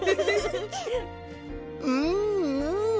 うんうん！